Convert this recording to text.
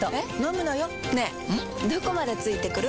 どこまで付いてくる？